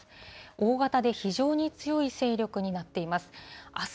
大型で非常に強い勢力になっています。